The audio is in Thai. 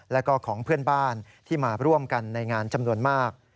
แล้วก็ของเพื่อนบ้านที่มาร่วมกันในงานจำนวนมาก